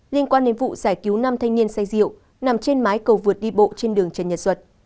liên quan đến vụ giải cứu năm thanh niên say rượu nằm trên mái cầu vượt đi bộ trên đường trần nhật duật